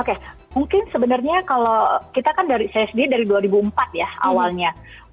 oke mungkin sebenarnya kalau kita kan dari csd dari dua ribu empat ya awalnya